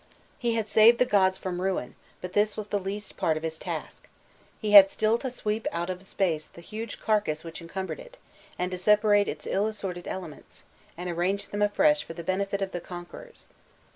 He had saved the gods from ruin, but this was the least part of his task; he had still to sweep out of space the huge carcase which encumbered it, and to separate its ill assorted elements, and arrange them afresh for the benefit of the conquerors.